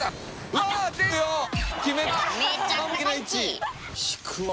うわ！